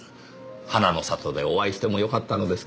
花の里でお会いしてもよかったのですが。